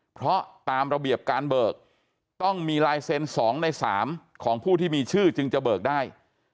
เพราะตามระเบียบการเบิกต้องมีลายเซ็น๒ใน๓ของผู้ที่มีชื่อจึงจะเบิกได้